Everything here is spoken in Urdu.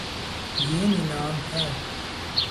یے نیلا م ہے